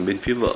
bên phía vợ